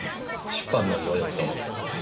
出版のご予定は？